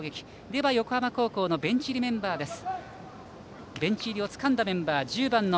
では横浜高校のベンチ入りメンバーです。